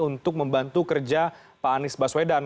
untuk membantu kerja pak anies baswedan